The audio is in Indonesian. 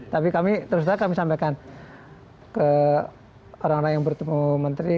tapi kami terus terang kami sampaikan ke orang orang yang bertemu menteri